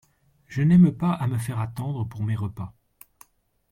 Je n’aime pas à me faire attendre pour mes repas.